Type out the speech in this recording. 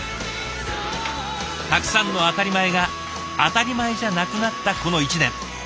たくさんの当たり前が当たり前じゃなくなったこの１年。